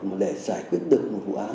mà để giải quyết được một bụi an